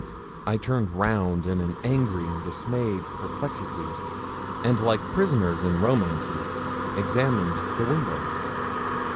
I turned round in an angry and dismayed perplexity, and, like prisoners in romances, examined the windows.